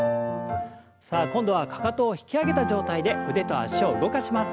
さあ今度はかかとを引き上げた状態で腕と脚を動かします。